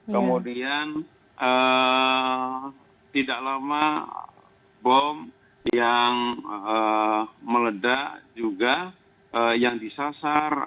kemudian tidak lama bom yang meledak juga yang disasar